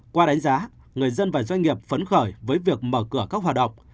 qua đánh giá người dân và doanh nghiệp phấn khởi với việc mở cửa các hoạt động